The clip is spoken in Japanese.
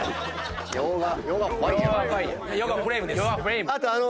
ヨガフレイムです。